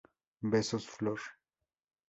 Besos, Flor!